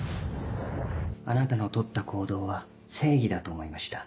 あなたの取った行動は正義だと思いました。